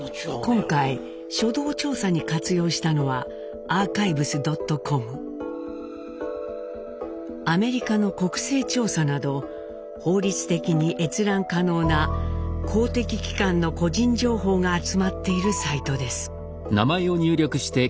今回初動調査に活用したのはアメリカの国勢調査など法律的に閲覧可能な公的機関の個人情報が集まっているサイトです。